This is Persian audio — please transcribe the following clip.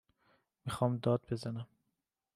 می خوام داد بزنم